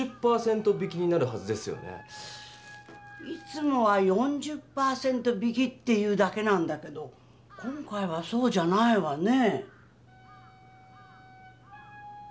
いつもは「４０％引き」って言うだけなんだけど今回はそうじゃないわねぇ。